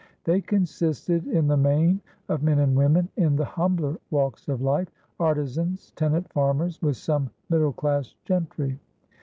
They consisted in the main of men and women in the humbler walks of life artisans, tenant farmers, with some middle class gentry.